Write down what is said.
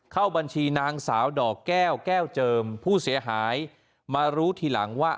เข้าบัญชีนางสาวดอกแก้วแก้วเจิมผู้เสียหายมารู้ทีหลังว่า